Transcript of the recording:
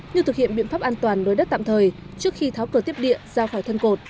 như thực hiện biện pháp an toàn đối đất tạm thời trước khi tháo cờ tiếp địa ra khỏi thân cột